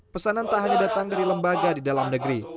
pesanan tak hanya datang dari lembaga di dalam negeri